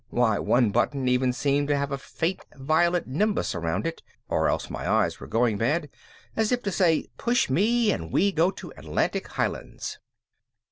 Why, one button even seemed to have a faint violet nimbus around it (or else my eyes were going bad) as if to say, "Push me and we go to Atlantic Highlands."